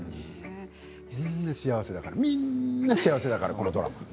みんな幸せだからみんな幸せだから、このドラマ。